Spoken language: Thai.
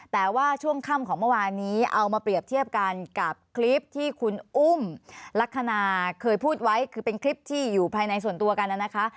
แต่ว่าช่วงค่ำของเมื่อวานนี้เอามาเปรียบเทียบกันกับคลิปที่คุณอุ้มลักษณะเคยพูดไว้คือเป็นคลิปที่อยู่ภายในส่วนตัวกันนะคะ